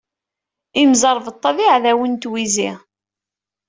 Imẓeṛbeṭṭa d iɛdawen n twizi.